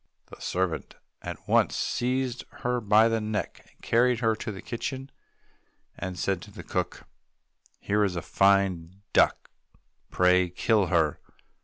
The servant at once seized her by the neck, carried her to the kitchen, and said to the cook, "Here is a fine duck; pray, kill her."